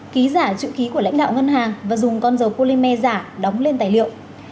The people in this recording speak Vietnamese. ký giả chữ ký của lãnh đạo ngân hàng và dùng con dầu polymer giả đóng lên tài liệu